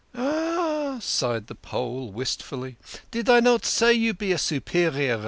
" Ah !" sighed the Pole wistfully. " Did I not say yoir be a superior race?